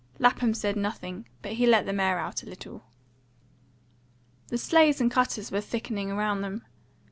Lapham said nothing, but he let the mare out a little. The sleighs and cutters were thickening round them.